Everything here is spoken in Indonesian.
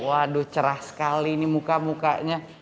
waduh cerah sekali ini muka mukanya